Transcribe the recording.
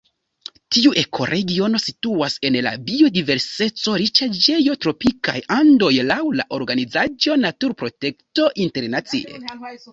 Tiu ekoregiono situas en la biodiverseco-riĉaĵejo Tropikaj Andoj laŭ la organizaĵo Naturprotekto Internacie.